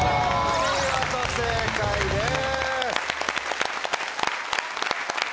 お見事正解です。